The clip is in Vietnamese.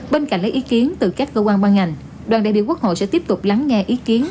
bên cạnh lấy ý kiến từ các cơ quan ban ngành đoàn đại biểu quốc hội sẽ tiếp tục lắng nghe ý kiến